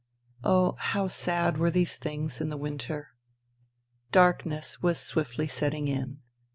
Oh, how sad were these things in the winter. ... Darkness was swiftly setting in.